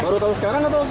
baru tahu sekarang atau